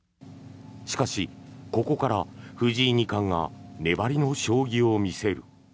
しかし、ここから藤井二冠が粘りの将棋を見せる。